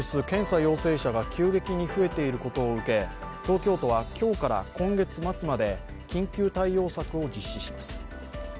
検査陽性者が急激に増えていることを受け、東京都は今日から今月末まで緊急対応策を実施します。